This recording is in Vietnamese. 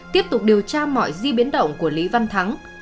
tiếp tục điều tra mọi di biến động của lý văn thắng